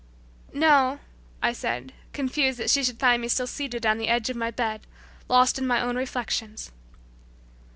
"No," I said, confused that she should find me still seated on the edge of my bed, lost in my own reflections.